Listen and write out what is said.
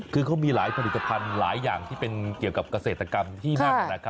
คือเขามีหลายผลิตภัณฑ์หลายอย่างที่เป็นเกี่ยวกับเกษตรกรรมที่นั่น